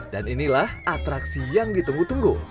dan inilah atraksi yang ditunggu tunggu